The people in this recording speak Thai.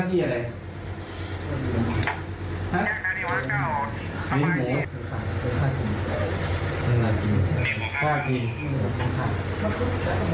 มีดออกมาจากไหน